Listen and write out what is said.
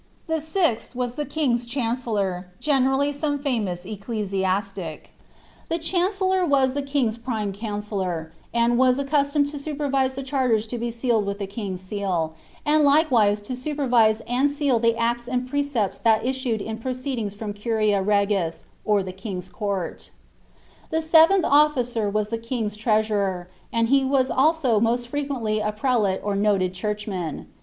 The 6th was the king's chancellor, generally some famous ecclesiastic. The chancellor was ^e king's prime counsellor, and was* accustomed to supervise the charters to be sealed with the king's seal ; and likewise to supervise and seal the acts and precepts that issued in proceedings from curia regisj or the king's court The 7th officer was the king's treasurer, and he was also most fre onently a prelate or noted churchman.